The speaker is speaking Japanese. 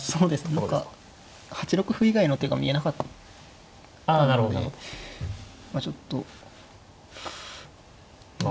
何か８六歩以外の手が見えなかったのでまあちょっとうん。